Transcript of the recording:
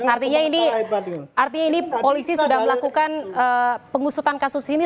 artinya ini artinya ini polisi sudah melakukan pengusutan kasus ini